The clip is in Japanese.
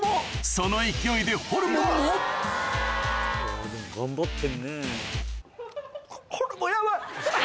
その勢いでホルモンもでも頑張ってるね。